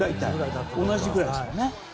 同じぐらいですよね。